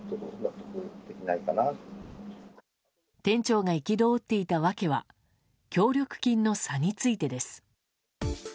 店長が憤っていた訳は協力金の差についてです。